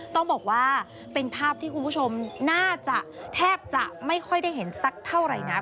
ต้องบอกว่าเป็นภาพที่คุณผู้ชมน่าจะแทบจะไม่ค่อยได้เห็นสักเท่าไหร่นัก